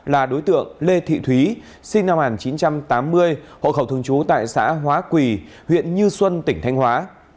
là đối tượng lê thị thúy sinh năm một nghìn chín trăm tám mươi hộ khẩu thường trú tại xã hóa quỳ huyện như xuân tỉnh thanh hóa